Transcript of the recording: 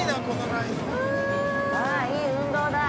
ああ、いい運動だ。